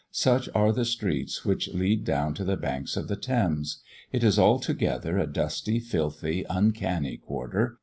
Such are the streets which lead down to the banks of the Thames. It is altogether a dusty, filthy, "uncannie" quarter.